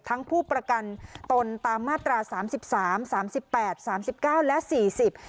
ผู้ประกันตนตามมาตราสามสิบสามสามสิบแปดสามสิบเก้าและสี่สิบ